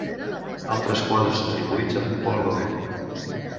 Altres quadres atribuïts a Paul Gauguin.